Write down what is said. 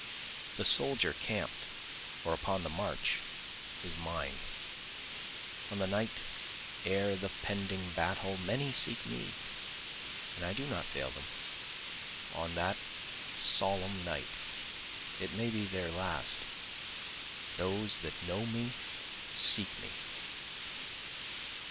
The soldier camp'd or upon the march is mine, On the night ere the pending battle many seek me, and I do not fail them, On that solemn night (it may be their last) those that know me seek me.